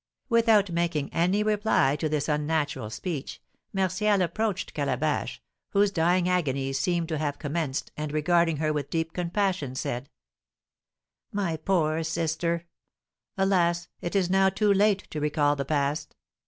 Without making any reply to this unnatural speech, Martial approached Calabash, whose dying agonies seemed to have commenced, and, regarding her with deep compassion, said: "My poor sister! Alas, it is now too late to recall the past!"